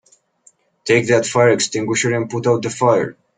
Take that fire extinguisher and put out the fire!